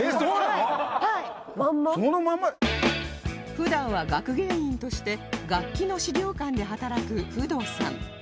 普段は学芸員として楽器の資料館で働く不動さん